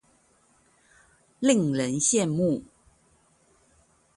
令人羡慕